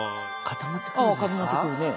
固まってくるね。